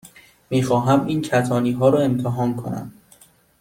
می خواهم این کتانی ها را امتحان کنم.